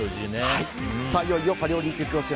いよいよパリオリンピック予選